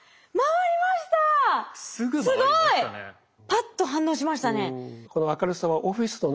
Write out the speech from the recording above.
パッと反応しましたね。